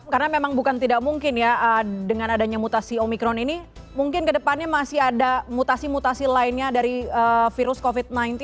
karena memang bukan tidak mungkin ya dengan adanya mutasi omikron ini mungkin kedepannya masih ada mutasi mutasi lainnya dari virus covid sembilan belas